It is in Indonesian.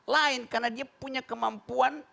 lain karena dia punya kemampuan